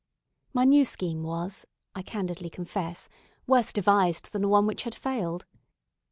My new scheme was, I candidly confess, worse devised than the one which had failed.